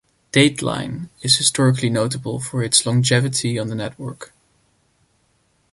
"Dateline" is historically notable for its longevity on the network.